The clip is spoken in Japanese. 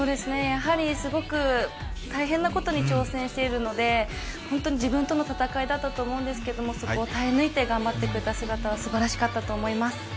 やはりすごく大変なことに挑戦しているので本当に自分との闘いだったと思うんですけどそこを耐え抜いて頑張ってくださった姿はすばらしかったと思います。